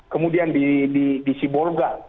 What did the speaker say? kemudian di sibolga